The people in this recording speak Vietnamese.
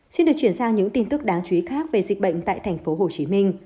xin được chuyển sang những tin tức đáng chú ý khác về dịch bệnh tại tp hcm